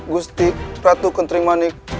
gusti ratu kentering manik